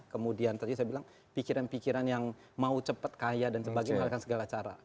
kemudian tadi saya bilang pikiran pikiran yang mau cepat kaya dan sebagainya mengalahkan segala cara